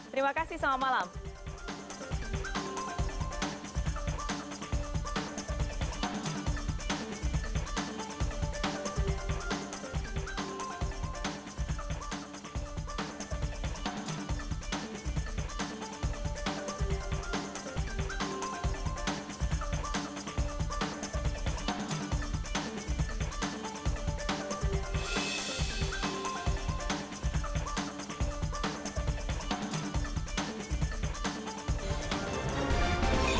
terima kasih selamat malam